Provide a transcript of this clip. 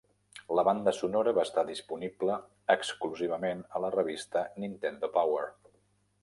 La banda sonora va estar disponible exclusivament a la revista "Nintendo Power".